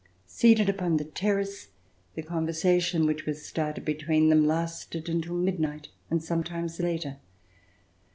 Seated upon the terrace, the conversation which was started between them lasted until midnight and sometimes later.